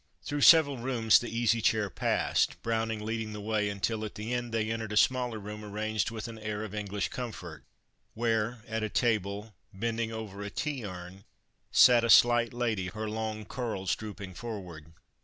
Through several rooms the Easy Chair passed, Browning leading the way, until at the end they entered a smaller room arranged with an air of English comfort, where, at a table, bending over a tea urn, sat a slight lady, her long curls drooping forward.